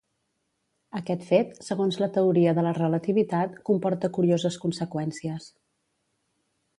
Aquest fet, segons la teoria de la relativitat, comporta curioses conseqüències.